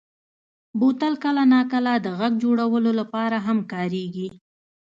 بوتل کله ناکله د غږ جوړولو لپاره هم کارېږي.